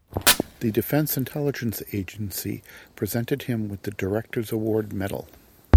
The Defense Intelligence Agency presented him with the Director's Award Medal.